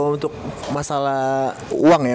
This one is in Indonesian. untuk masalah uang ya